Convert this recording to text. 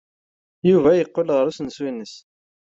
Yuba yeqqel ɣer usensu-nnes.